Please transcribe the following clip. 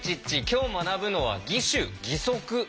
今日学ぶのは義手義足です。